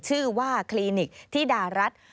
ชื่อว่าคลินิกธิดารัฐ